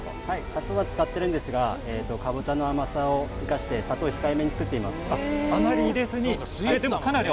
砂糖は使ってるんですが南瓜の甘さを生かして砂糖を控えめに作っています。